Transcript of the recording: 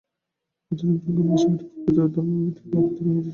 আধুনিক বিজ্ঞান বাস্তবিকই প্রকৃত ধর্মের ভিত্তিকে আরও দৃঢ় করেছে।